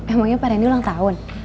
emangnya pak reni ulang tahun